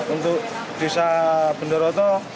untuk desa bendoroto